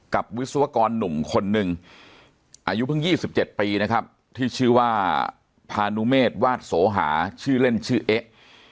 วิศวกรหนุ่มคนหนึ่งอายุเพิ่ง๒๗ปีนะครับที่ชื่อว่าพานุเมษวาดโสหาชื่อเล่นชื่อเอ๊ะ